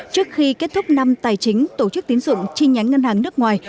trước khi kết thúc năm tài chính tổ chức tín dụng chi nhánh ngân hàng nước ngoài